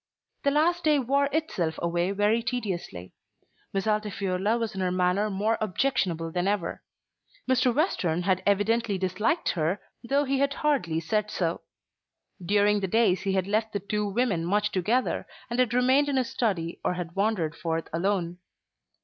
The last day wore itself away very tediously. Miss Altifiorla was in her manner more objectionable than ever. Mr. Western had evidently disliked her though he had hardly said so. During the days he had left the two women much together, and had remained in his study or had wandered forth alone.